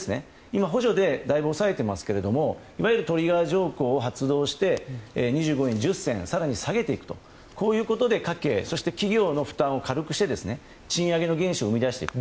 今、補助でだいぶ抑えていますけれどもいわゆるトリガー条項を発動して２５円１０銭更に下げていくということでこういうことで家庭や企業の負担を軽くして、賃上げの原資を生み出していく。